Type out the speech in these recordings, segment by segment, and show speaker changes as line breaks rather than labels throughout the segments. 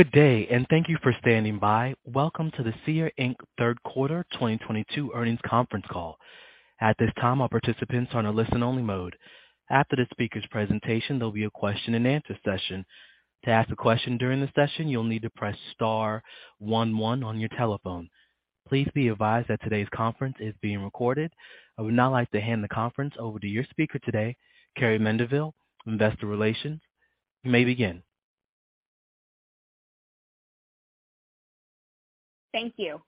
Good day, and thank you for standing by. Welcome to the Seer Inc third quarter 2022 earnings conference call. At this time, all participants are on a listen-only mode. After the speaker's presentation, there'll be a question and answer session. To ask a question during the session, you'll need to press star one one on your telephone. Please be advised that today's conference is being recorded. I would now like to hand the conference over to your speaker today, Carrie Mendivil, Investor Relations. You may begin.
Thank you.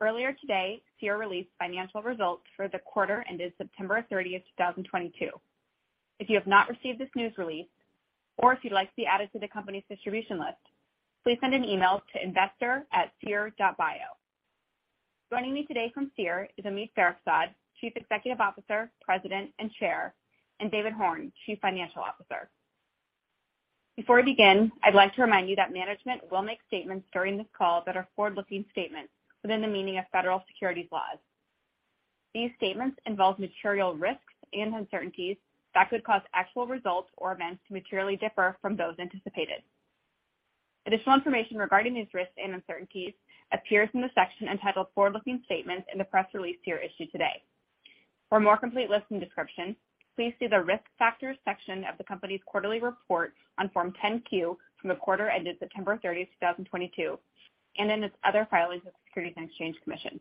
Earlier today, Seer released financial results for the quarter ended September 30th, 2022. If you have not received this news release, or if you'd like to be added to the company's distribution list, please send an email to investor@seer.bio. Joining me today from Seer is Omid Farokhzad, Chief Executive Officer, President, and Chair, and David Horn, Chief Financial Officer. Before we begin, I'd like to remind you that management will make statements during this call that are forward-looking statements within the meaning of federal securities laws. These statements involve material risks and uncertainties that could cause actual results or events to materially differ from those anticipated. Additional information regarding these risks and uncertainties appears in the section entitled Forward Looking Statements in the press release Seer issued today. For a more complete list and description, please see the Risk Factors section of the company's quarterly report on Form 10-Q from the quarter ended September 30th, 2022, and in its other filings with Securities and Exchange Commission.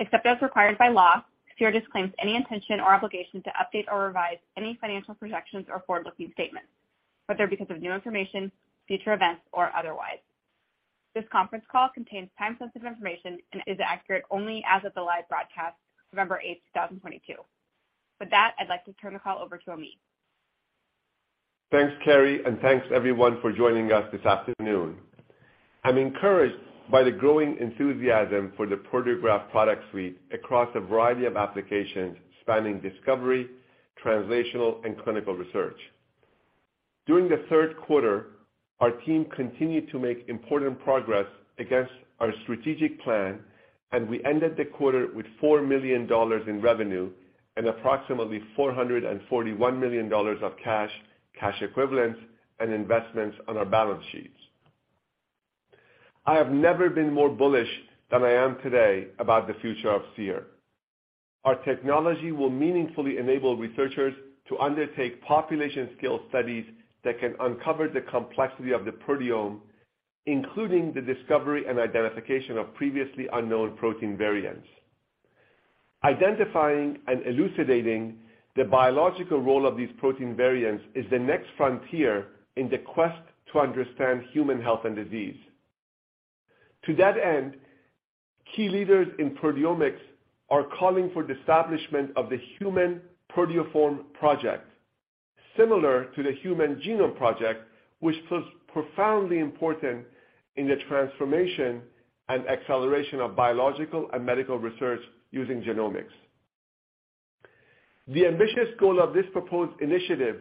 Except as required by law, Seer disclaims any intention or obligation to update or revise any financial projections or forward-looking statements, whether because of new information, future events, or otherwise. This conference call contains time-sensitive information and is accurate only as of the live broadcast, November 8th, 2022. With that, I'd like to turn the call over to Omid.
Thanks, Carrie, and thanks everyone for joining us this afternoon. I'm encouraged by the growing enthusiasm for the Proteograph Product Suite across a variety of applications spanning discovery, translational, and clinical research. During the third quarter, our team continued to make important progress against our strategic plan, and we ended the quarter with $4 million in revenue and approximately $441 million of cash equivalents, and investments on our balance sheets. I have never been more bullish than I am today about the future of Seer. Our technology will meaningfully enable researchers to undertake population scale studies that can uncover the complexity of the proteome, including the discovery and identification of previously unknown protein variants. Identifying and elucidating the biological role of these protein variants is the next frontier in the quest to understand human health and disease. To that end, key leaders in proteomics are calling for the establishment of the Human Proteoform Project, similar to the Human Genome Project, which was profoundly important in the transformation and acceleration of biological and medical research using genomics. The ambitious goal of this proposed initiative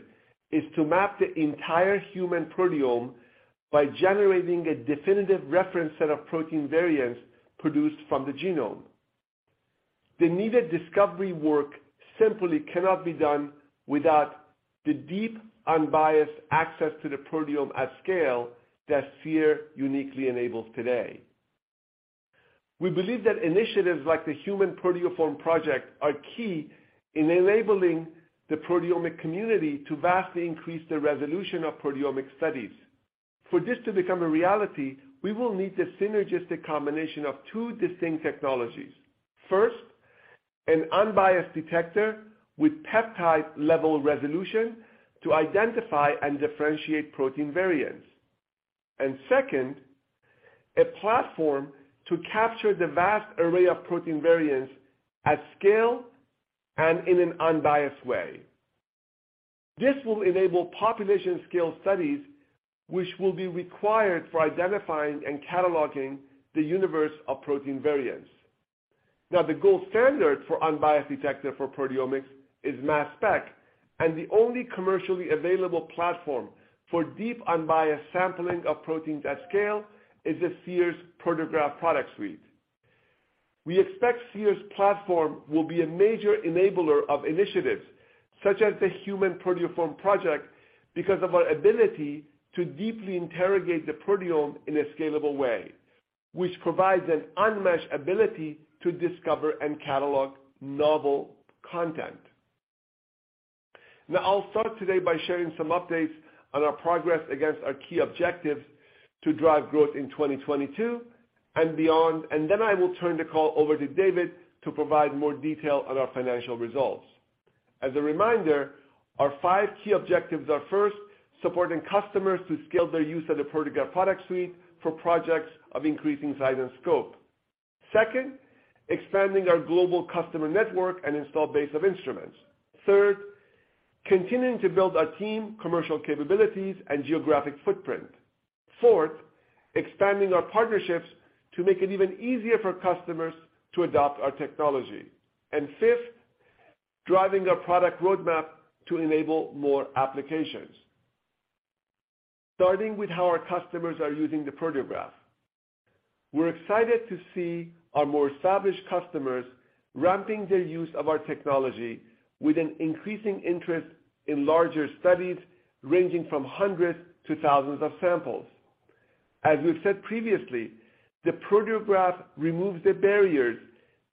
is to map the entire human proteome by generating a definitive reference set of protein variants produced from the genome. The needed discovery work simply cannot be done without the deep, unbiased access to the proteome at scale that Seer uniquely enables today. We believe that initiatives like the Human Proteoform Project are key in enabling the proteomic community to vastly increase the resolution of proteomic studies. For this to become a reality, we will need the synergistic combination of two distinct technologies. First, an unbiased detector with peptide level resolution to identify and differentiate protein variants. Second, a platform to capture the vast array of protein variants at scale and in an unbiased way. This will enable population scale studies, which will be required for identifying and cataloging the universe of protein variants. Now, the gold standard for unbiased detector for proteomics is mass spec, and the only commercially available platform for deep, unbiased sampling of proteins at scale is the Seer's Proteograph Product Suite. We expect Seer's platform will be a major enabler of initiatives such as the Human Proteoform Project because of our ability to deeply interrogate the proteome in a scalable way, which provides an unmatched ability to discover and catalog novel content. Now, I'll start today by sharing some updates on our progress against our key objectives to drive growth in 2022 and beyond, and then I will turn the call over to David to provide more detail on our financial results. As a reminder, our five key objectives are, first, supporting customers to scale their use of the Proteograph Product Suite for projects of increasing size and scope. Second, expanding our global customer network and install base of instruments. Third, continuing to build our team, commercial capabilities, and geographic footprint. Fourth, expanding our partnerships to make it even easier for customers to adopt our technology. And fifth, driving our product roadmap to enable more applications. Starting with how our customers are using the Proteograph. We're excited to see our more established customers ramping their use of our technology with an increasing interest in larger studies, ranging from hundreds to thousands of samples. As we've said previously, the Proteograph removes the barriers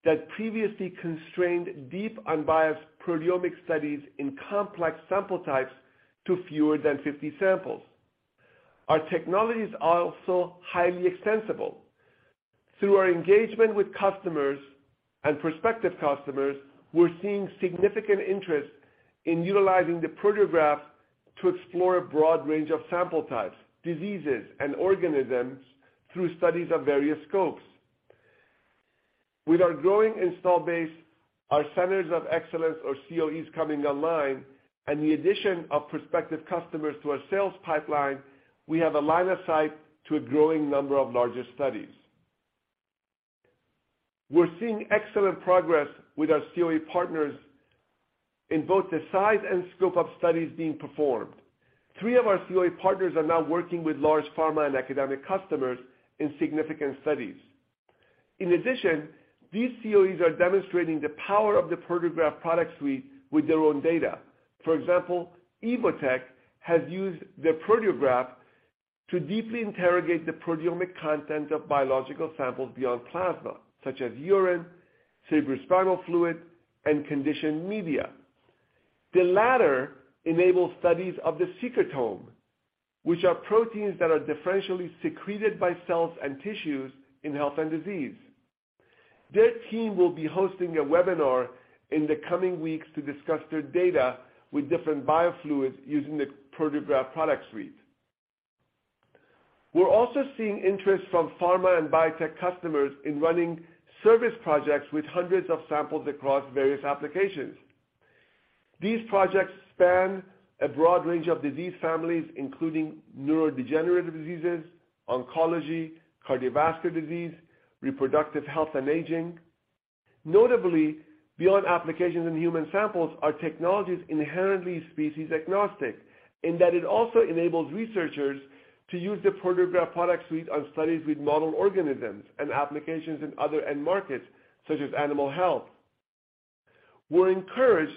that previously constrained deep unbiased proteomic studies in complex sample types to fewer than 50 samples. Our technologies are also highly extensible. Through our engagement with customers and prospective customers, we're seeing significant interest in utilizing the Proteograph to explore a broad range of sample types, diseases, and organisms through studies of various scopes. With our growing install base, our centers of excellence or COEs coming online, and the addition of prospective customers to our sales pipeline, we have a line of sight to a growing number of larger studies. We're seeing excellent progress with our COE partners in both the size and scope of studies being performed. Three of our COE partners are now working with large pharma and academic customers in significant studies. In addition, these COEs are demonstrating the power of the Proteograph Product Suite with their own data. For example, Evotec has used the Proteograph to deeply interrogate the proteomic content of biological samples beyond plasma, such as urine, cerebrospinal fluid, and conditioned media. The latter enables studies of the secretome, which are proteins that are differentially secreted by cells and tissues in health and disease. Their team will be hosting a webinar in the coming weeks to discuss their data with different biofluids using the Proteograph Product Suite. We're also seeing interest from pharma and biotech customers in running service projects with hundreds of samples across various applications. These projects span a broad range of disease families, including neurodegenerative diseases, oncology, cardiovascular disease, reproductive health, and aging. Notably, beyond applications in human samples, our technology is inherently species agnostic in that it also enables researchers to use the Proteograph Product Suite on studies with model organisms and applications in other end markets, such as animal health. We're encouraged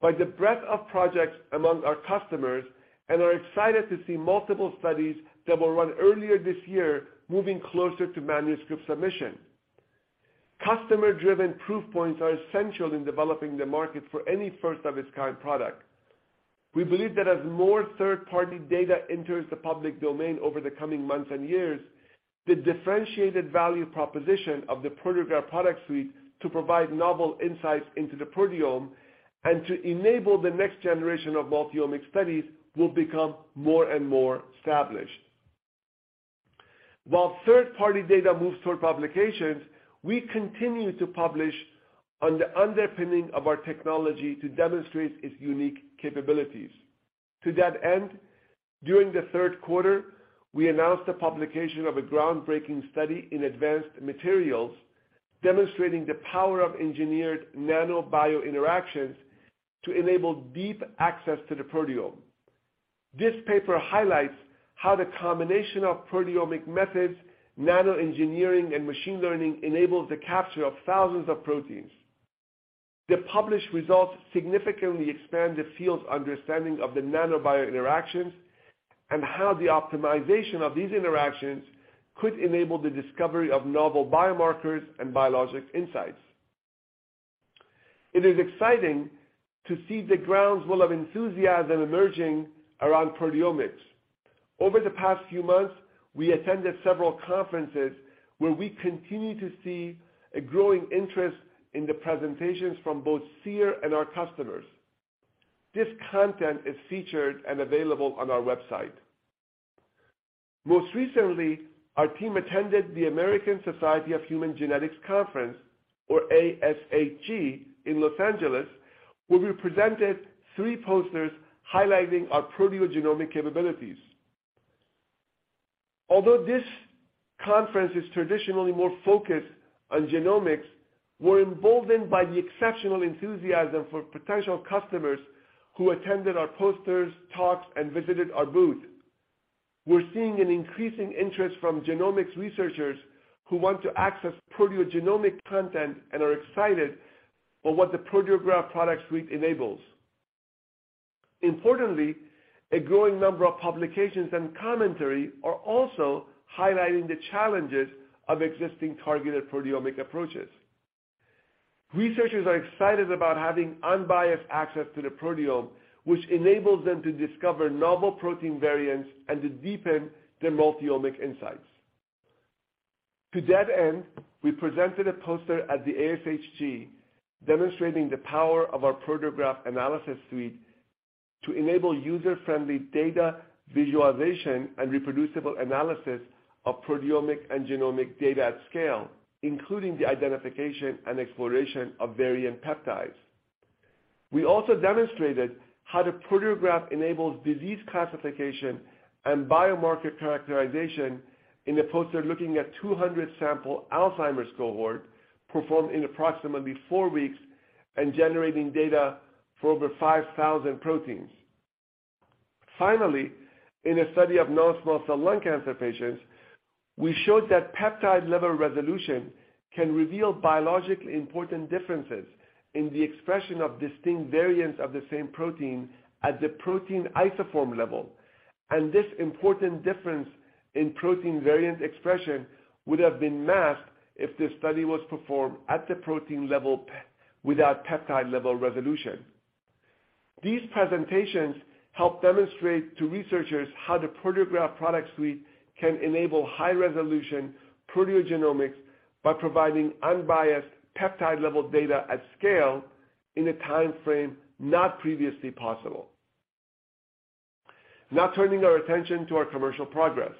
by the breadth of projects among our customers and are excited to see multiple studies that were run earlier this year moving closer to manuscript submission. Customer-driven proof points are essential in developing the market for any first-of-its-kind product. We believe that as more third-party data enters the public domain over the coming months and years, the differentiated value proposition of the Proteograph Product Suite to provide novel insights into the proteome and to enable the next generation of multi-omic studies will become more and more established. While third-party data moves toward publications, we continue to publish on the underpinning of our technology to demonstrate its unique capabilities. To that end, during the third quarter, we announced the publication of a groundbreaking study in Advanced Materials, demonstrating the power of engineered nano-bio interactions to enable deep access to the proteome. This paper highlights how the combination of proteomic methods, nano-engineering, and machine learning enables the capture of thousands of proteins. The published results significantly expand the field's understanding of the nano-bio interactions and how the optimization of these interactions could enable the discovery of novel biomarkers and biological insights. It is exciting to see the groundswell of enthusiasm emerging around proteomics. Over the past few months, we attended several conferences where we continue to see a growing interest in the presentations from both Seer and our customers. This content is featured and available on our website. Most recently, our team attended the American Society of Human Genetics conference, or ASHG, in Los Angeles, where we presented three posters highlighting our proteogenomic capabilities. Although this conference is traditionally more focused on genomics, we're emboldened by the exceptional enthusiasm for potential customers who attended our posters, talks, and visited our booth. We're seeing an increasing interest from genomics researchers who want to access proteogenomic content and are excited by what the Proteograph Product Suite enables. Importantly, a growing number of publications and commentary are also highlighting the challenges of existing targeted proteomic approaches. Researchers are excited about having unbiased access to the proteome, which enables them to discover novel protein variants and to deepen their multi-omic insights. To that end, we presented a poster at the ASHG demonstrating the power of our Proteograph Analysis Suite to enable user-friendly data visualization and reproducible analysis of proteomic and genomic data at scale, including the identification and exploration of variant peptides. We also demonstrated how the Proteograph enables disease classification and biomarker characterization in a poster looking at 200-sample Alzheimer's cohort performed in approximately four weeks and generating data for over 5,000 proteins. Finally, in a study of non-small cell lung cancer patients, we showed that peptide-level resolution can reveal biologically important differences in the expression of distinct variants of the same protein at the protein isoform level. This important difference in protein variant expression would have been masked if the study was performed at the protein level without peptide-level resolution. These presentations help demonstrate to researchers how the Proteograph Product Suite can enable high-resolution proteogenomics by providing unbiased peptide-level data at scale in a timeframe not previously possible. Now turning our attention to our commercial progress.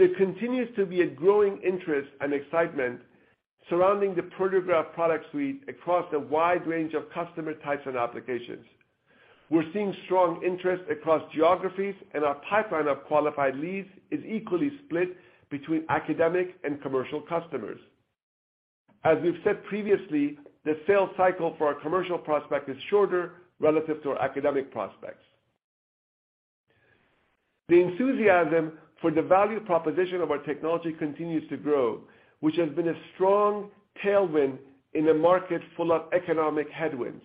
There continues to be a growing interest and excitement surrounding the Proteograph Product Suite across a wide range of customer types and applications. We're seeing strong interest across geographies, and our pipeline of qualified leads is equally split between academic and commercial customers. As we've said previously, the sales cycle for our commercial prospect is shorter relative to our academic prospects. The enthusiasm for the value proposition of our technology continues to grow, which has been a strong tailwind in a market full of economic headwinds.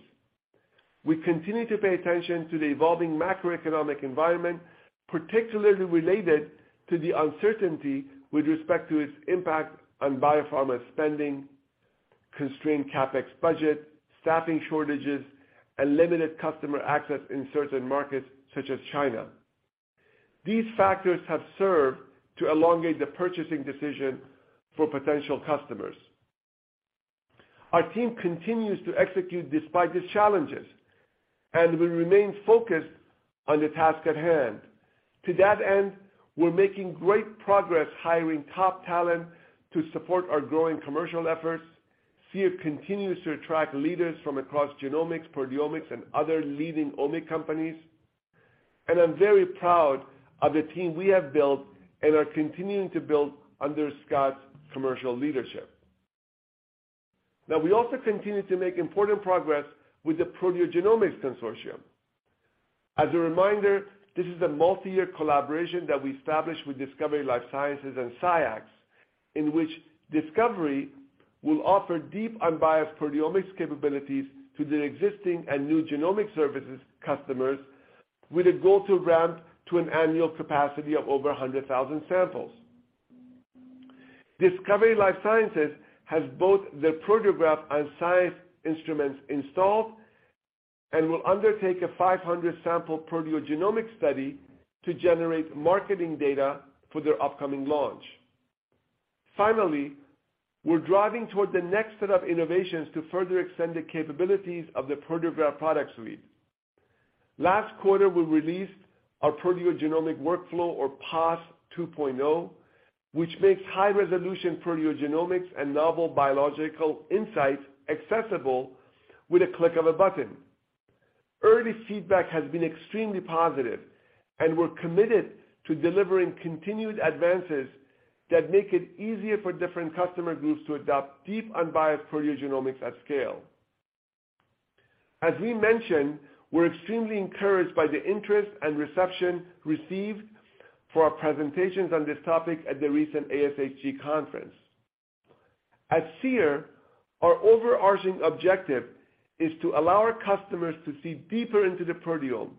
We continue to pay attention to the evolving macroeconomic environment, particularly related to the uncertainty with respect to its impact on biopharma spending, constrained CapEx budget, staffing shortages, and limited customer access in certain markets such as China. These factors have served to elongate the purchasing decision for potential customers. Our team continues to execute despite these challenges, and we remain focused on the task at hand. To that end, we're making great progress hiring top talent to support our growing commercial efforts. Seer continues to attract leaders from across genomics, proteomics, and other leading omic companies, and I'm very proud of the team we have built and are continuing to build under Scott's commercial leadership. Now, we also continue to make important progress with the Proteogenomics Consortium. As a reminder, this is a multi-year collaboration that we established with Discovery Life Sciences and SCIEX, in which Discovery will offer deep, unbiased proteomics capabilities to their existing and new genomic services customers with a goal to ramp to an annual capacity of over 100,000 samples. Discovery Life Sciences has both the Proteograph and SCIEX instruments installed and will undertake a 500-sample proteogenomic study to generate marketing data for their upcoming launch. Finally, we're driving toward the next set of innovations to further extend the capabilities of the Proteograph Product Suite. Last quarter, we released our proteogenomic workflow or PAS 2.0, which makes high-resolution proteogenomics and novel biological insights accessible with a click of a button. Early feedback has been extremely positive, and we're committed to delivering continued advances that make it easier for different customer groups to adopt deep, unbiased proteogenomics at scale. As we mentioned, we're extremely encouraged by the interest and reception received for our presentations on this topic at the recent ASHG conference. At Seer, our overarching objective is to allow our customers to see deeper into the proteome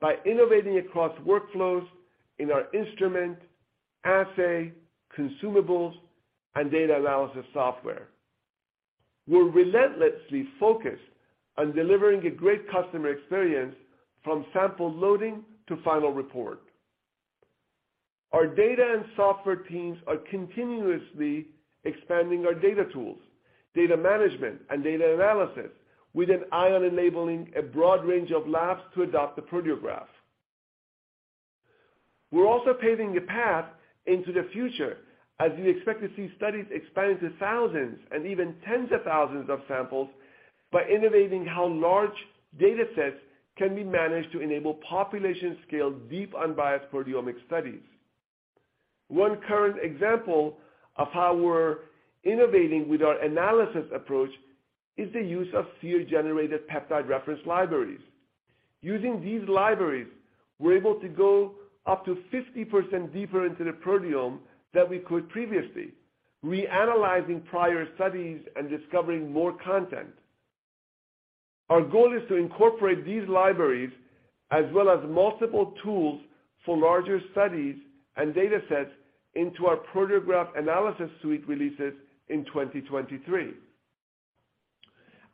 by innovating across workflows in our instrument, assay, consumables, and data analysis software. We're relentlessly focused on delivering a great customer experience from sample loading to final report. Our data and software teams are continuously expanding our data tools, data management, and data analysis with an eye on enabling a broad range of labs to adopt the Proteograph. We're also paving a path into the future as we expect to see studies expand to thousands and even tens of thousands of samples by innovating how large datasets can be managed to enable population-scale, deep, unbiased proteomic studies. One current example of how we're innovating with our analysis approach is the use of Seer-generated peptide reference libraries. Using these libraries, we're able to go up to 50% deeper into the proteome than we could previously, reanalyzing prior studies and discovering more content. Our goal is to incorporate these libraries, as well as multiple tools for larger studies and datasets, into our Proteograph Analysis Suite releases in 2023.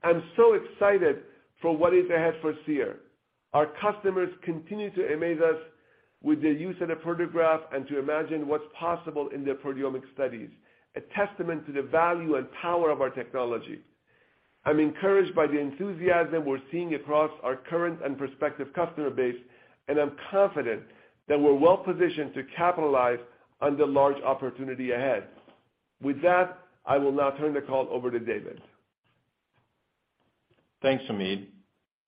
I'm so excited for what is ahead for Seer. Our customers continue to amaze us with their use of the Proteograph and to imagine what's possible in their proteomic studies, a testament to the value and power of our technology. I'm encouraged by the enthusiasm we're seeing across our current and prospective customer base, and I'm confident that we're well-positioned to capitalize on the large opportunity ahead. With that, I will now turn the call over to David.
Thanks, Omid.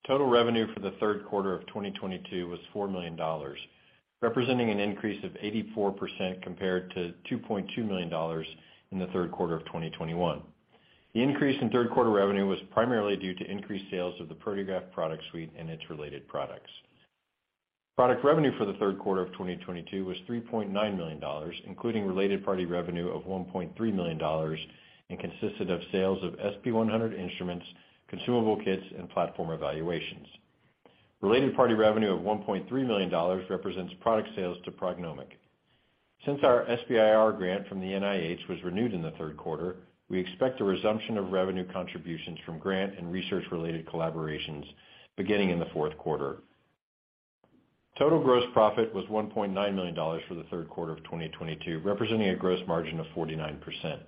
Total revenue for the third quarter of 2022 was $4 million, representing an increase of 84% compared to $2.2 million in the third quarter of 2021. The increase in third quarter revenue was primarily due to increased sales of the Proteograph Product Suite and its related products. Product revenue for the third quarter of 2022 was $3.9 million, including related party revenue of $1.3 million, and consisted of sales of SP100 instruments, consumable kits, and platform evaluations. Related party revenue of $1.3 million represents product sales to Prognomiq. Since our SBIR grant from the NIH was renewed in the third quarter, we expect a resumption of revenue contributions from grant and research-related collaborations beginning in the fourth quarter. Total gross profit was $1.9 million for the third quarter of 2022, representing a gross margin of 49%.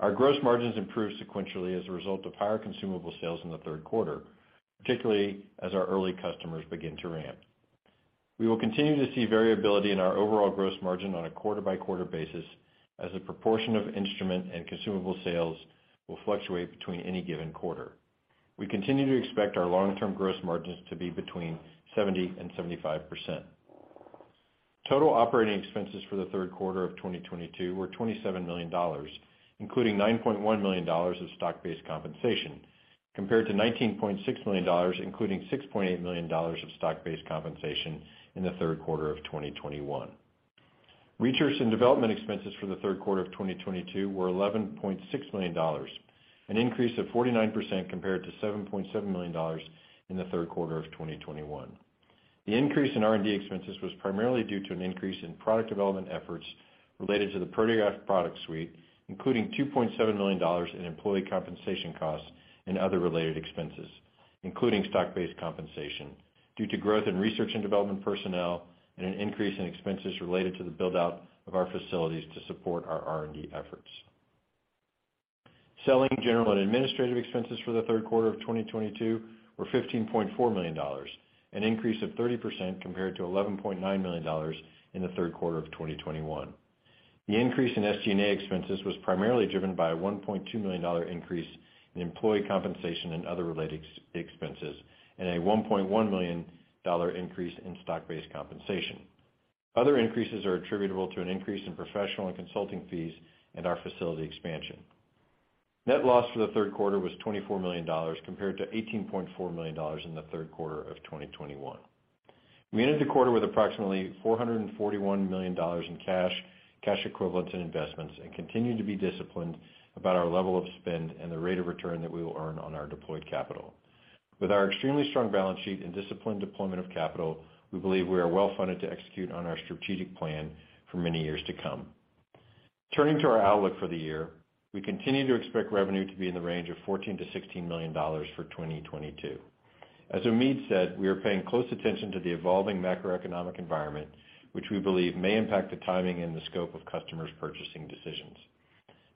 Our gross margins improved sequentially as a result of higher consumable sales in the third quarter, particularly as our early customers begin to ramp. We will continue to see variability in our overall gross margin on a quarter-by-quarter basis as a proportion of instrument and consumable sales will fluctuate between any given quarter. We continue to expect our long-term gross margins to be between 70% and 75%. Total operating expenses for the third quarter of 2022 were $27 million, including $9.1 million of stock-based compensation, compared to $19.6 million, including $6.8 million of stock-based compensation in the third quarter of 2021. Research and development expenses for the third quarter of 2022 were $11.6 million, an increase of 49% compared to $7.7 million in the third quarter of 2021. The increase in R&D expenses was primarily due to an increase in product development efforts related to the Proteograph Product Suite, including $2.7 million in employee compensation costs and other related expenses, including stock-based compensation due to growth in research and development personnel and an increase in expenses related to the build-out of our facilities to support our R&D efforts. Selling, general, and administrative expenses for the third quarter of 2022 were $15.4 million, an increase of 30% compared to $11.9 million in the third quarter of 2021. The increase in SG&A expenses was primarily driven by a $1.2 million increase in employee compensation and other related expenses, and a $1.1 million increase in stock-based compensation. Other increases are attributable to an increase in professional and consulting fees and our facility expansion. Net loss for the third quarter was $24 million, compared to $18.4 million in the third quarter of 2021. We ended the quarter with approximately $441 million in cash equivalents, and investments and continue to be disciplined about our level of spend and the rate of return that we will earn on our deployed capital. With our extremely strong balance sheet and disciplined deployment of capital, we believe we are well-funded to execute on our strategic plan for many years to come. Turning to our outlook for the year, we continue to expect revenue to be in the range of $14 million-$16 million for 2022. Omid said, we are paying close attention to the evolving macroeconomic environment, which we believe may impact the timing and the scope of customers' purchasing decisions.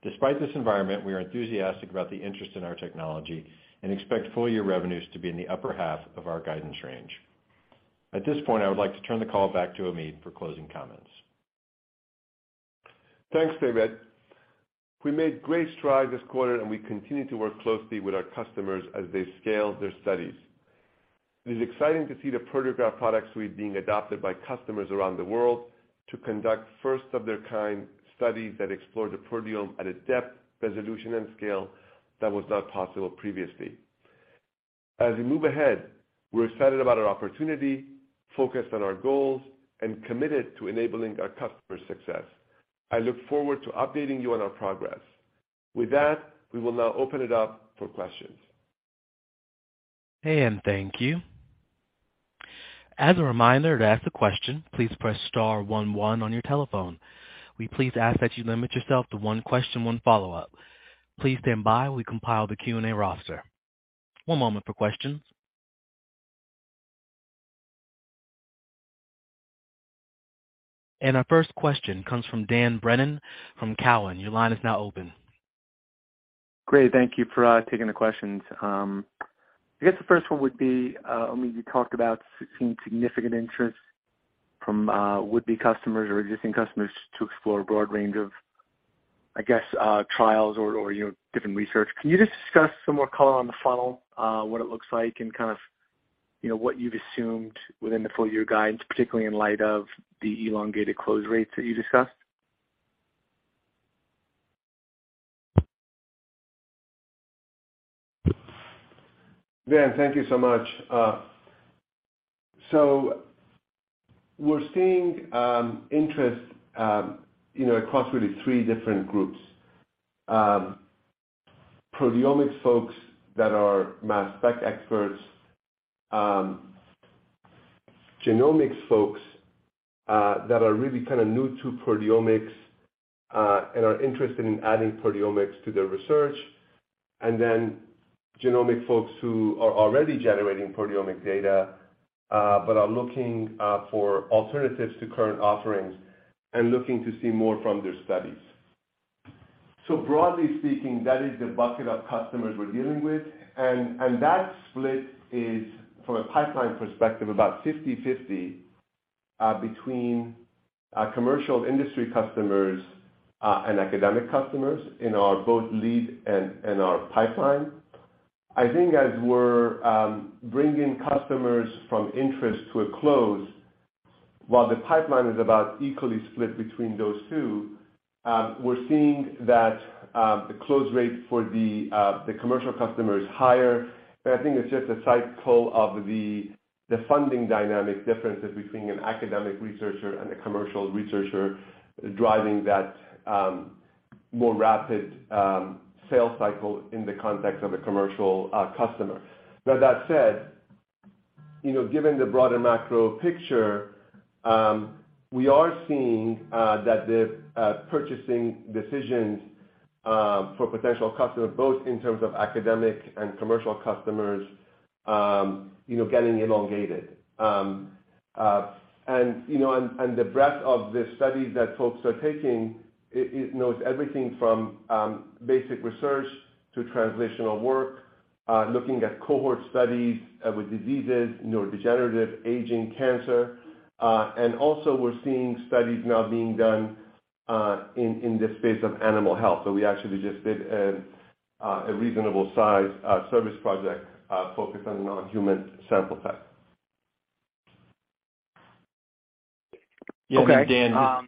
Despite this environment, we are enthusiastic about the interest in our technology and expect full year revenues to be in the upper half of our guidance range. At this point, I would like to turn the call back to Omid for closing comments.
Thanks, David. We made great strides this quarter, and we continue to work closely with our customers as they scale their studies. It is exciting to see the Proteograph Product Suite being adopted by customers around the world to conduct first-of-their-kind studies that explore the proteome at a depth, resolution, and scale that was not possible previously. As we move ahead, we're excited about our opportunity, focused on our goals, and committed to enabling our customers' success. I look forward to updating you on our progress. With that, we will now open it up for questions.
Hey, thank you. As a reminder, to ask a question, please press star one one on your telephone. We please ask that you limit yourself to one question, one follow-up. Please stand by while we compile the Q&A roster. One moment for questions. Our first question comes from Dan Brennan from Cowen. Your line is now open.
Great. Thank you for taking the questions. I guess the first one would be, Omid, you talked about seeing significant interest from would-be customers or existing customers to explore a broad range of, I guess, trials or you know, different research. Can you just discuss some more color on the funnel, what it looks like and kind of, you know, what you've assumed within the full year guidance, particularly in light of the elongated close rates that you discussed?
Dan, thank you so much. We're seeing interest, you know, across really three different groups. Proteomics folks that are mass spec experts. Genomics folks that are really kind of new to proteomics and are interested in adding proteomics to their research. Genomic folks who are already generating proteomic data but are looking for alternatives to current offerings and looking to see more from their studies. Broadly speaking, that is the bucket of customers we're dealing with. That split is, from a pipeline perspective, about 50/50 between commercial industry customers and academic customers in both our lead and our pipeline. I think as we're bringing customers from interest to a close. While the pipeline is about equally split between those two, we're seeing that the close rate for the commercial customer is higher. I think it's just a cycle of the funding dynamic differences between an academic researcher and a commercial researcher driving that more rapid sales cycle in the context of a commercial customer. Now that said, you know, given the broader macro picture, we are seeing that the purchasing decisions for potential customers, both in terms of academic and commercial customers, you know, getting elongated. You know, the breadth of the studies that folks are taking, it knows everything from basic research to translational work looking at cohort studies with diseases, neurodegenerative, aging, cancer. Also, we're seeing studies now being done in the space of animal health. We actually just did a reasonable size service project focused on non-human sample type.
Okay.
Yeah, Dan.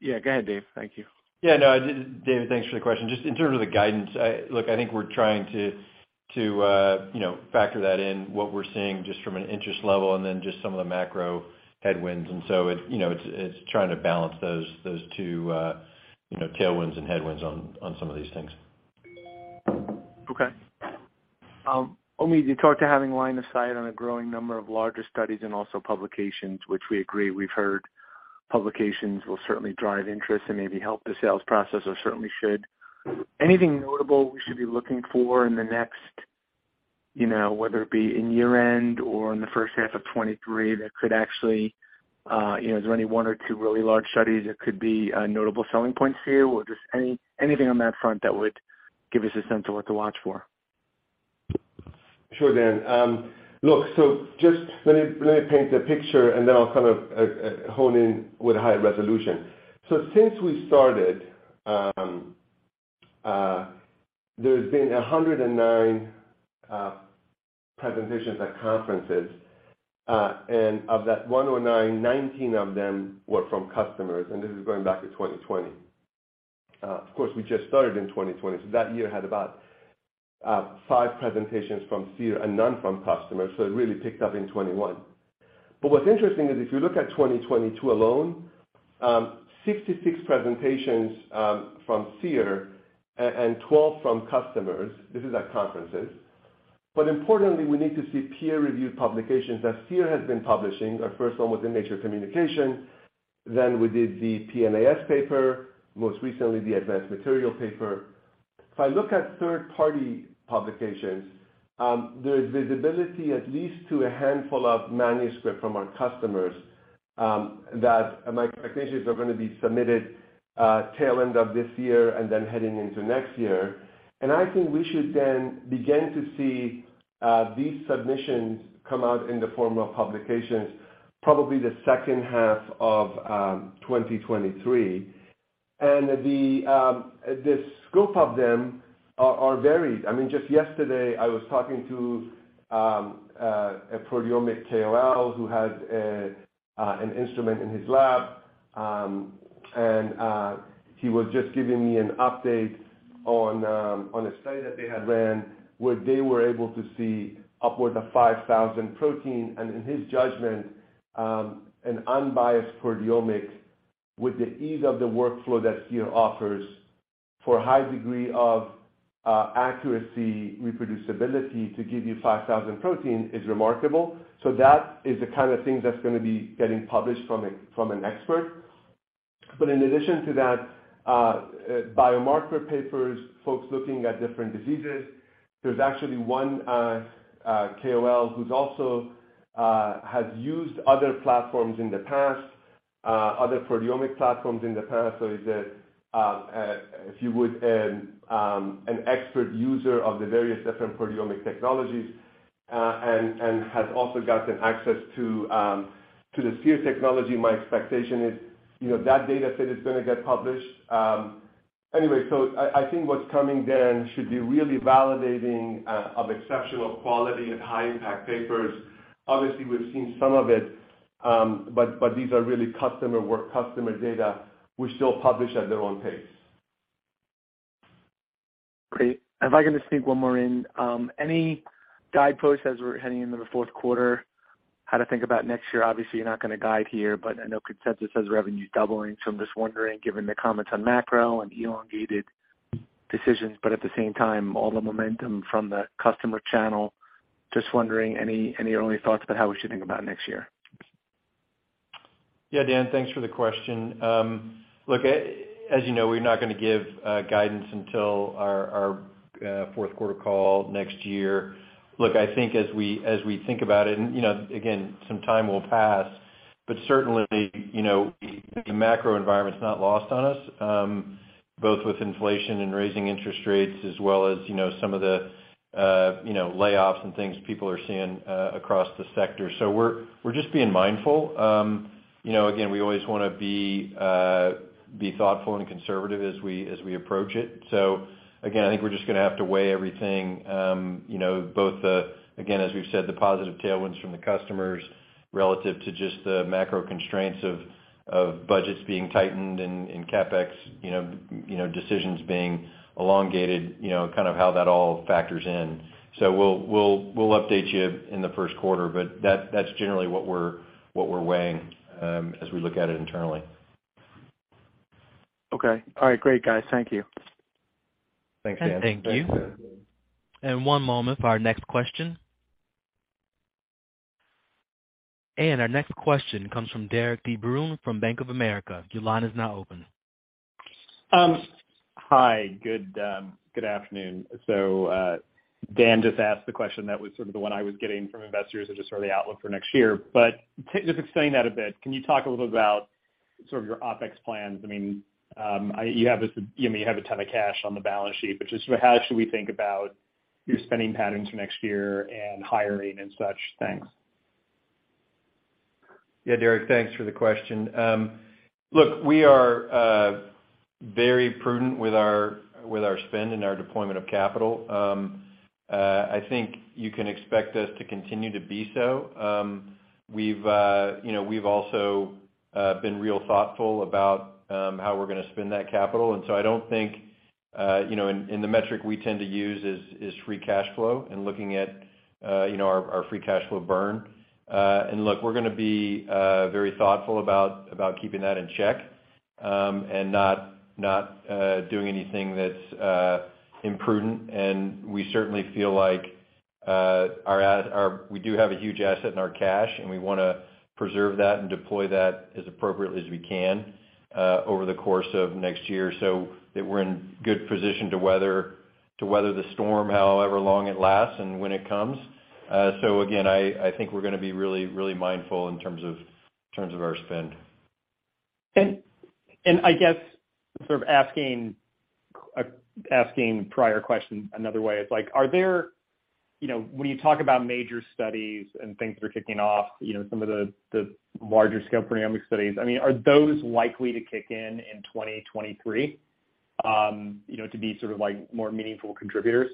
Yeah, go ahead, Dave. Thank you.
Yeah, no, David, thanks for the question. Just in terms of the guidance, look, I think we're trying to, you know, factor that in, what we're seeing just from an interest level, and then just some of the macro headwinds. It, you know, it's trying to balance those two tailwinds and headwinds on some of these things.
Okay. Omid, you talked about having line of sight on a growing number of larger studies and also publications, which we agree, we've heard publications will certainly drive interest and maybe help the sales process, or certainly should. Anything notable we should be looking for in the next, you know, whether it be in year-end or in the first half of 2023 that could actually, you know, is there any one or two really large studies that could be notable selling points for you? Or just anything on that front that would give us a sense of what to watch for?
Sure, Dan. Look, just let me paint the picture, and then I'll kind of hone in with high resolution. Since we started, there's been 109 presentations at conferences. And of that 109, 19 of them were from customers, and this is going back to 2020. Of course, we just started in 2020, so that year had about five presentations from Seer and none from customers, so it really picked up in 2021. What's interesting is if you look at 2022 alone, 66 presentations from Seer and 12 from customers. This is at conferences. Importantly, we need to see peer-reviewed publications that Seer has been publishing. Our first one was in Nature Communications, then we did the PNAS paper, most recently the Advanced Materials paper. If I look at third-party publications, there's visibility at least to a handful of manuscript from our customers that my expectations are gonna be submitted tail end of this year and then heading into next year. I think we should then begin to see these submissions come out in the form of publications probably the second half of 2023. The scope of them are varied. I mean, just yesterday, I was talking to a proteomic KOL who has an instrument in his lab. He was just giving me an update on a study that they had ran, where they were able to see upwards of 5,000 protein. In his judgment, an unbiased proteomic with the ease of the workflow that Seer offers for a high degree of accuracy, reproducibility to give you 5,000 proteins is remarkable. That is the kind of thing that's gonna be getting published from an expert. In addition to that, biomarker papers, folks looking at different diseases, there's actually one KOL who also has used other platforms in the past, other proteomic platforms in the past. He is, if you would, an expert user of the various different proteomic technologies, and has also gotten access to the Seer technology. My expectation is, you know, that data set is gonna get published. Anyway, I think what's coming then should be really validating of exceptional quality and high impact papers. Obviously, we've seen some of it, but these are really customer work, customer data, which they'll publish at their own pace.
Great. If I can just sneak one more in. Any guideposts as we're heading into the fourth quarter, how to think about next year? Obviously, you're not gonna guide here, but I know consensus says revenue's doubling, so I'm just wondering, given the comments on macro and elongated decisions, but at the same time, all the momentum from the customer channel, just wondering any early thoughts about how we should think about next year?
Yeah, Dan, thanks for the question. Look, as you know, we're not gonna give guidance until our fourth quarter call next year. Look, I think as we think about it, and, you know, again, some time will pass, but certainly, you know, the macro environment's not lost on us, both with inflation and raising interest rates, as well as, you know, some of the, you know, layoffs and things people are seeing across the sector. So we're just being mindful. You know, again, we always wanna be be thoughtful and conservative as we approach it. Again, I think we're just gonna have to weigh everything, you know, again, as we've said, the positive tailwinds from the customers relative to just the macro constraints of budgets being tightened and CapEx, you know, decisions being elongated, you know, kind of how that all factors in. We'll update you in the first quarter, but that's generally what we're weighing as we look at it internally.
Okay. All right. Great, guys. Thank you.
Thanks, Dan.
Thank you. One moment for our next question. Our next question comes from Derik De Bruin from Bank of America. Your line is now open.
Hi, good afternoon. Dan just asked the question that was sort of the one I was getting from investors is just sort of the outlook for next year. Just explain that a bit. Can you talk a little bit about sort of your OpEx plans? I mean, you know, you have a ton of cash on the balance sheet, but just how should we think about your spending patterns for next year and hiring and such? Thanks.
Yeah, Derik, thanks for the question. Look, we are very prudent with our spend and our deployment of capital. I think you can expect us to continue to be so. We've, you know, also been real thoughtful about how we're gonna spend that capital. I don't think, you know, and the metric we tend to use is free cash flow and looking at, you know, our free cash flow burn. Look, we're gonna be very thoughtful about keeping that in check and not doing anything that's imprudent. We certainly feel like we do have a huge asset in our cash, and we wanna preserve that and deploy that as appropriately as we can over the course of next year so that we're in good position to weather the storm however long it lasts and when it comes. Again, I think we're gonna be really mindful in terms of our spend.
I guess sort of asking prior question another way is, like, are there, you know, when you talk about major studies and things that are kicking off, you know, some of the larger scale genomic studies, I mean, are those likely to kick in in 2023, you know, to be sort of like more meaningful contributors?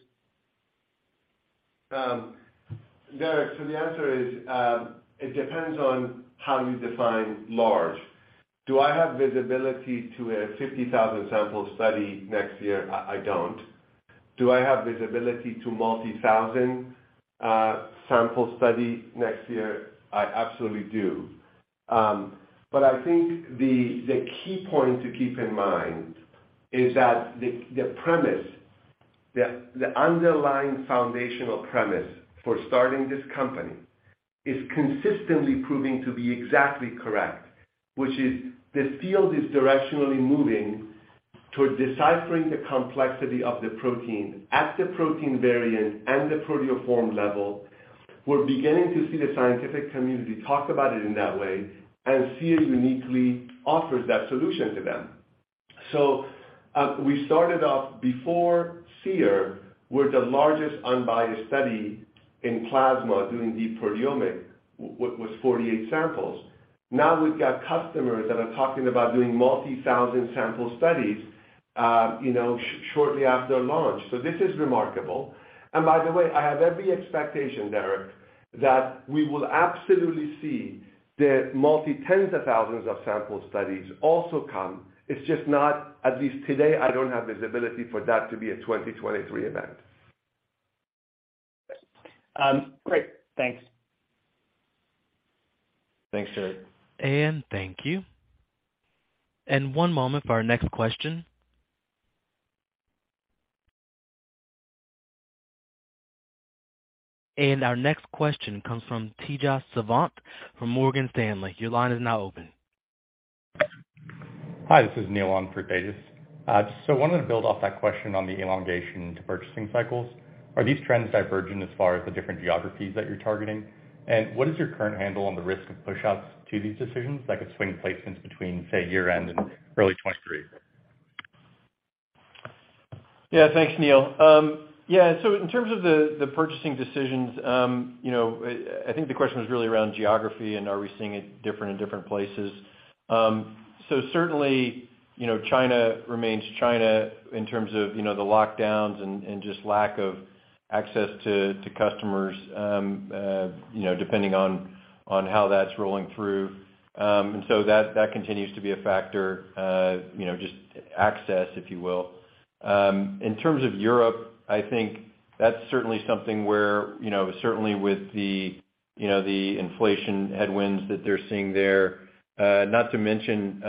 Derik, the answer is, it depends on how you define large. Do I have visibility to a 50,000 sample study next year? I don't. Do I have visibility to multi-thousand sample study next year? I absolutely do. I think the key point to keep in mind is that the premise, the underlying foundational premise for starting this company is consistently proving to be exactly correct, which is the field is directionally moving toward deciphering the complexity of the protein at the protein variant and the proteoform level. We're beginning to see the scientific community talk about it in that way, and Seer uniquely offers that solution to them. We started off before Seer, we were the largest unbiased study in plasma doing deep proteomics with 48 samples. Now we've got customers that are talking about doing multi-thousand sample studies, you know, shortly after launch. This is remarkable. By the way, I have every expectation, Derik, that we will absolutely see the multi-tens of thousands of sample studies also come. It's just not, at least today, I don't have visibility for that to be a 2023 event.
Great. Thanks.
Thanks, Derik.
Thank you. One moment for our next question. Our next question comes from Tejas Savant from Morgan Stanley. Your line is now open.
Hi, this is Neil on for Tejas. Wanted to build off that question on the elongation to purchasing cycles. Are these trends divergent as far as the different geographies that you're targeting? What is your current handle on the risk of pushouts to these decisions that could swing placements between, say, year-end and early 2023?
Yeah. Thanks, Neil. Yeah, in terms of the purchasing decisions, you know, I think the question was really around geography and are we seeing it different in different places. Certainly, you know, China remains China in terms of, you know, the lockdowns and just lack of access to customers, you know, depending on how that's rolling through. That continues to be a factor, you know, just access, if you will. In terms of Europe, I think that's certainly something where, you know, certainly with the, you know, the inflation headwinds that they're seeing there, not to mention,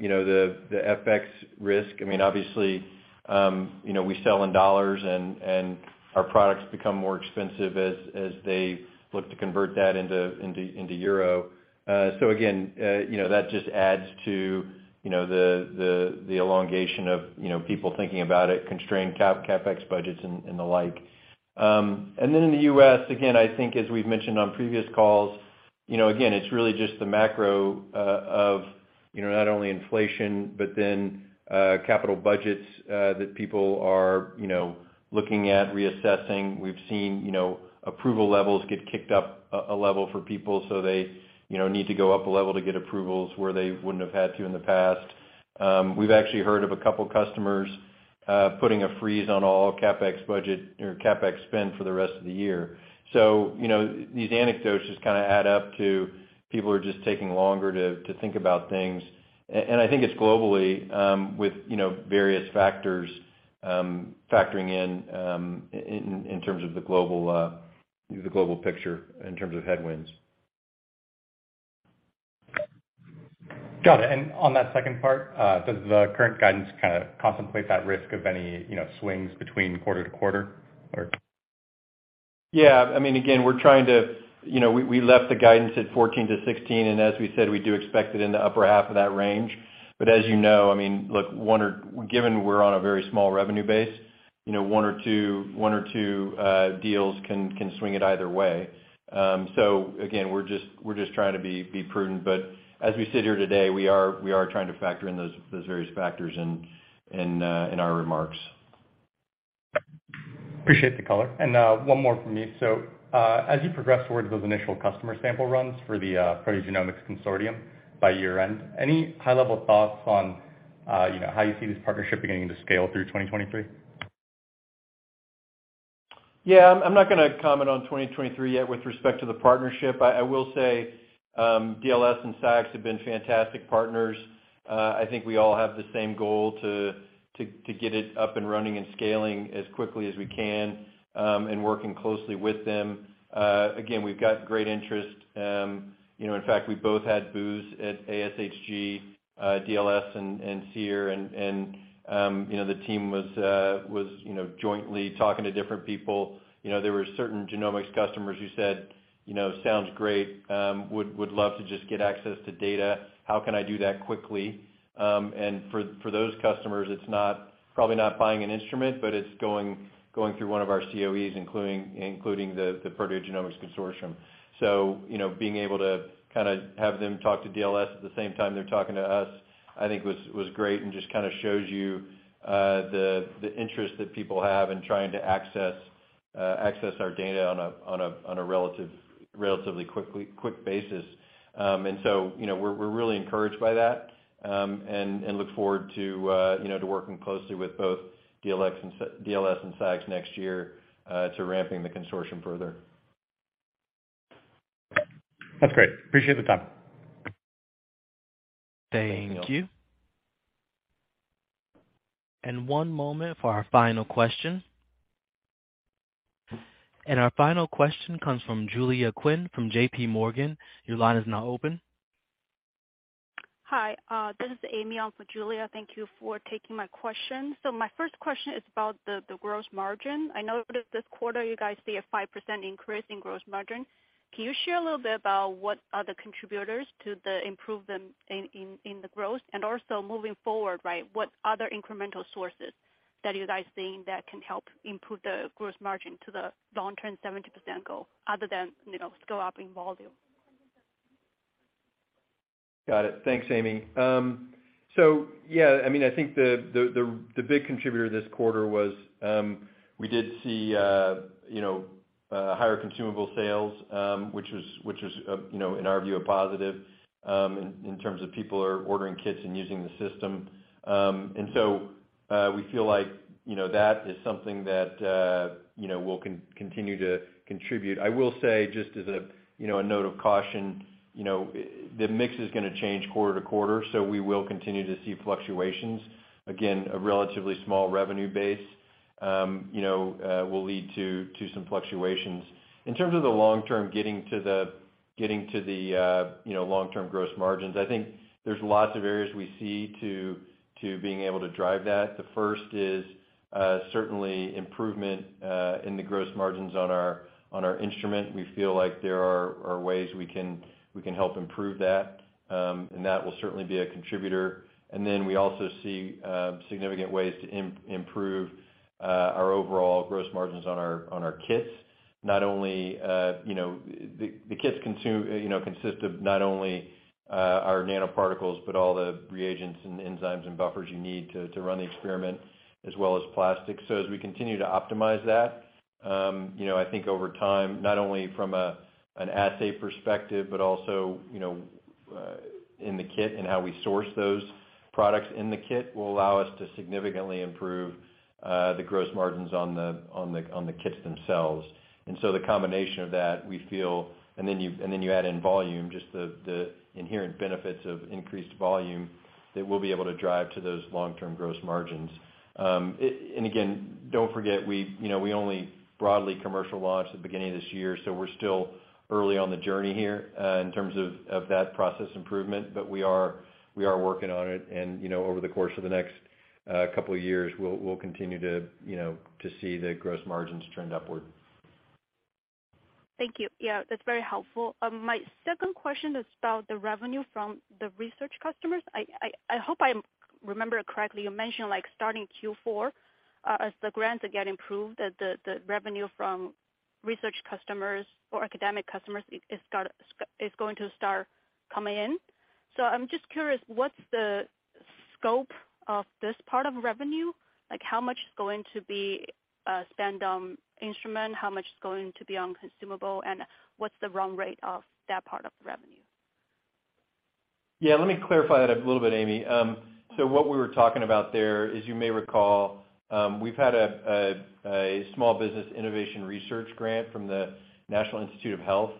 you know, the FX risk. I mean, obviously, you know, we sell in dollars and our products become more expensive as they look to convert that into euro. Again, you know, that just adds to the elongation of people thinking about it, constrained CapEx budgets and the like. In the U.S., again, I think as we've mentioned on previous calls, you know, again, it's really just the macro of not only inflation, but then capital budgets that people are looking at reassessing. We've seen, you know, approval levels get kicked up a level for people so they, you know, need to go up a level to get approvals where they wouldn't have had to in the past. We've actually heard of a couple customers putting a freeze on all CapEx budget or CapEx spend for the rest of the year. You know, these anecdotes just kinda add up to people are just taking longer to think about things. I think it's globally, with, you know, various factors factoring in terms of the global picture in terms of headwinds.
Got it. On that second part, does the current guidance kinda contemplate that risk of any, you know, swings between quarter to quarter or?
Yeah, I mean, again, we're trying to, you know, we left the guidance at $14 million-$16 million, and as we said, we do expect it in the upper half of that range. As you know, I mean, look, given we're on a very small revenue base, you know, one or two deals can swing it either way. Again, we're just trying to be prudent. As we sit here today, we are trying to factor in those various factors in our remarks.
Appreciate the color. One more from me. As you progress towards those initial customer sample runs for the Proteogenomics Consortium by year-end, any high-level thoughts on, you know, how you see this partnership beginning to scale through 2023?
Yeah. I'm not gonna comment on 2023 yet with respect to the partnership. I will say, DLS and SCIEX have been fantastic partners. I think we all have the same goal to get it up and running and scaling as quickly as we can, and working closely with them. Again, we've got great interest. You know, in fact, we both had booths at ASHG, DLS and Seer. You know, the team was jointly talking to different people. You know, there were certain genomics customers who said, "You know, sounds great. Would love to just get access to data. How can I do that quickly?" For those customers, it's probably not buying an instrument, but it's going through one of our COEs, including the Proteogenomics Consortium. You know, being able to kinda have them talk to DLS at the same time they're talking to us, I think was great and just kinda shows you the interest that people have in trying to access our data on a relatively quick basis. You know, we're really encouraged by that, and look forward to working closely with both DLS and SCIEX next year to ramping the consortium further.
That's great. Appreciate the time.
Thank you. One moment for our final question. Our final question comes from Julia Qin from JPMorgan. Your line is now open.
Hi, this is Amy on for Julia. Thank you for taking my question. My first question is about the gross margin. I know that this quarter you guys see a 5% increase in gross margin. Can you share a little bit about what are the contributors to the improvement in the gross? And also moving forward, right, what other incremental sources that you guys seeing that can help improve the gross margin to the long-term 70% goal, other than, you know, scale up in volume?
Got it. Thanks, Amy. Yeah, I mean, I think the big contributor this quarter was, we did see, you know, higher consumable sales, which was, you know, in our view, a positive, in terms of people are ordering kits and using the system. We feel like, you know, that is something that, you know, will continue to contribute. I will say, just as a, you know, a note of caution, you know, the mix is gonna change quarter to quarter, so we will continue to see fluctuations. Again, a relatively small revenue base, you know, will lead to some fluctuations. In terms of the long-term gross margins, I think there's lots of areas we see to being able to drive that. The first is certainly improvement in the gross margins on our instrument. We feel like there are ways we can help improve that, and that will certainly be a contributor. We also see significant ways to improve our overall gross margins on our kits. Not only you know the kits consist of not only our nanoparticles, but all the reagents and enzymes and buffers you need to run the experiment, as well as plastics. As we continue to optimize that, you know, I think over time, not only from an assay perspective, but also, you know, in the kit and how we source those products in the kit, will allow us to significantly improve the gross margins on the kits themselves. The combination of that, we feel. Then you add in volume, just the inherent benefits of increased volume that we'll be able to drive to those long-term gross margins. And again, don't forget, you know, we only broadly commercially launched at the beginning of this year, so we're still early on the journey here, in terms of that process improvement. We are working on it. You know, over the course of the next couple of years, we'll continue to, you know, to see the gross margins trend upward.
Thank you. Yeah, that's very helpful. My second question is about the revenue from the research customers. I hope I remember correctly, you mentioned like starting Q4, as the grants are getting approved, that the revenue from research customers or academic customers is going to start coming in. I'm just curious, what's the scope of this part of revenue? Like, how much is going to be spent on instrument? How much is going to be on consumable? And what's the run rate of that part of business?
Yeah, let me clarify that a little bit, Amy. What we were talking about there is, you may recall, we've had a small business innovation research grant from the National Institutes of Health,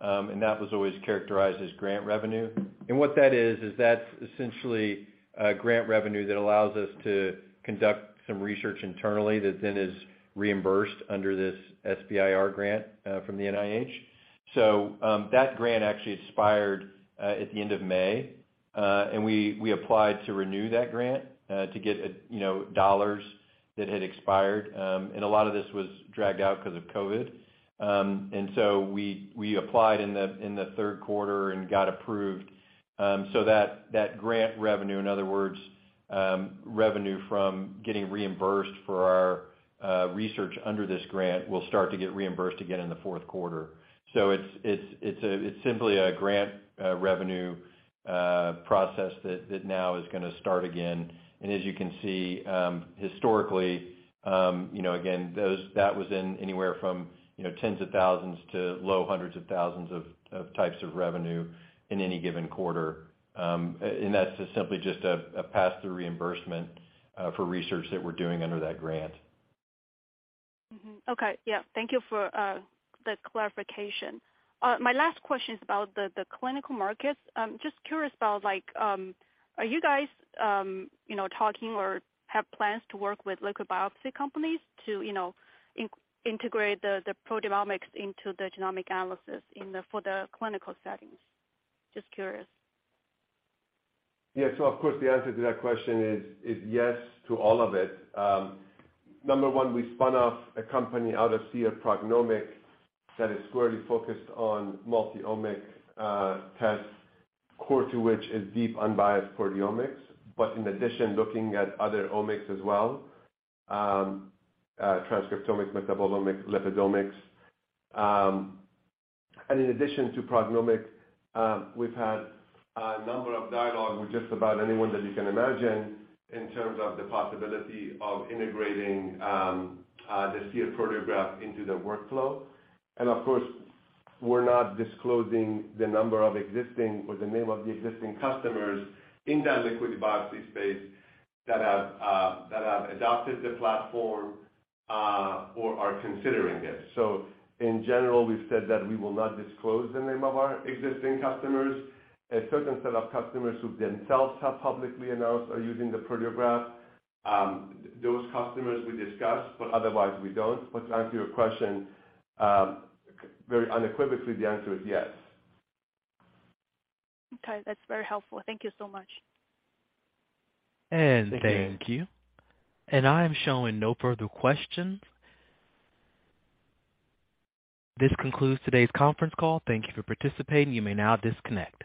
and that was always characterized as grant revenue. What that is that's essentially grant revenue that allows us to conduct some research internally that then is reimbursed under this SBIR grant from the NIH. That grant actually expired at the end of May. We applied to renew that grant to get dollars that had expired. A lot of this was dragged out 'cause of COVID. We applied in the third quarter and got approved. That grant revenue, in other words, revenue from getting reimbursed for our research under this grant will start to get reimbursed again in the fourth quarter. It's simply a grant revenue process that now is gonna start again. As you can see, historically, you know, again that was in anywhere from, you know, tens of thousands to low hundreds of thousands of types of revenue in any given quarter. That's simply just a pass-through reimbursement for research that we're doing under that grant.
Mm-hmm. Okay. Yeah. Thank you for the clarification. My last question is about the clinical markets. Just curious about like, are you guys, you know, talking or have plans to work with liquid biopsy companies to, you know, integrate the proteomics into the genomic analysis for the clinical settings? Just curious.
Yeah. Of course, the answer to that question is yes to all of it. Number one, we spun off a company out of Seer, Prognomiq that is squarely focused on multi-omic tests, core to which is deep unbiased proteomics. In addition, looking at other omics as well, transcriptomics, metabolomics, lipidomics. In addition to Prognomiq, we've had a number of dialogue with just about anyone that you can imagine in terms of the possibility of integrating the Seer Proteograph into their workflow. Of course, we're not disclosing the number of existing or the name of the existing customers in that liquid biopsy space that have adopted the platform or are considering it. In general, we've said that we will not disclose the name of our existing customers. A certain set of customers who themselves have publicly announced are using the Proteograph. Those customers we discuss, but otherwise we don't. To answer your question, very unequivocally, the answer is yes.
Okay, that's very helpful. Thank you so much.
Thank you.
Thank you. I'm showing no further questions. This concludes today's conference call. Thank you for participating. You may now disconnect.